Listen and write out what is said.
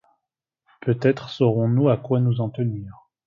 Peut-être saurons-nous à quoi nous en tenir